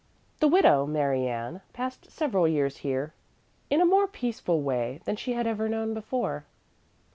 The widow Mary Ann passed several years here in a more peaceful way than she had ever known before.